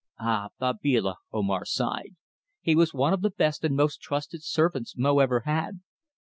"Ah! Babila," Omar sighed. "He was one of the best and most trusted servants Mo ever had.